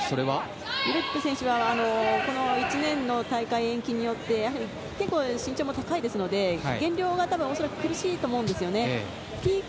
ビロディッド選手はこの１年の大会延期によって結構、身長も高いですので減量が苦しいと思うんですね。